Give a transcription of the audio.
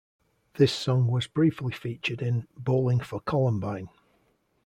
This song was briefly featured in "Bowling for Columbine".